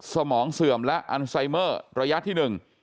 สมองเสื่อมและอันไซเมอร์ระยะที่หนึ่ง